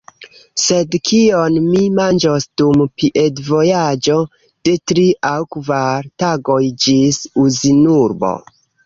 Sed kion mi manĝos dum piedvojaĝo de tri aŭ kvar tagoj ĝis Uzinurbo?